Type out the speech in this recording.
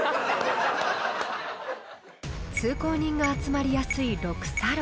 ［通行人が集まりやすい６差路］